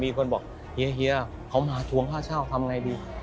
มีคนบอกเฮียเขามาทวงค่าเช่าทำไงดี